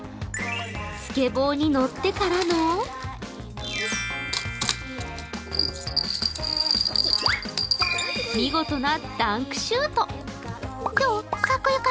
スケボーに乗ってからの見事なダンクシュート。